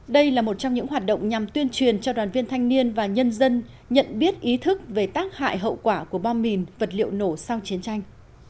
đây là một trong những hoạt động nhằm tuyên truyền cho đoàn viên thanh niên và nhân dân nhận biết ý thức về tác hại hậu quả của bom mìn vật liệu nổ sau chiến tranh